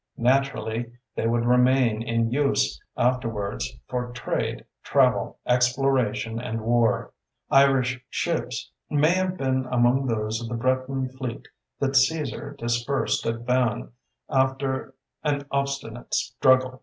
Naturally they would remain in use afterwards for trade, travel, exploration, and war. Irish ships may have been among those of the Breton fleet that Cæsar dispersed at Vannes after an obstinate struggle.